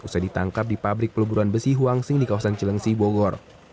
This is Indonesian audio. usai ditangkap di pabrik peluburan besi huangsing di kawasan cilengsi bogor